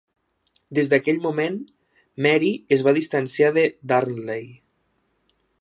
Des d'aquell moment, Mary es va distanciar de Darnley.